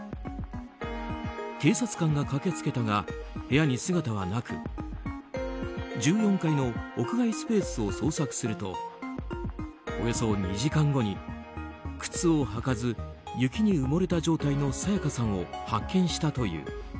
警察官が駆け付けたが部屋に姿はなく１４階の屋外スペースを捜索するとおよそ２時間後に、靴を履かず雪に埋もれた状態の沙也加さんを発見したという。